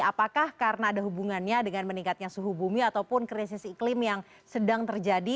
apakah karena ada hubungannya dengan meningkatnya suhu bumi ataupun krisis iklim yang sedang terjadi